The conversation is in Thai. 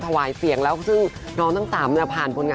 ถวายเสียงแล้วซึ่งน้องทั้ง๓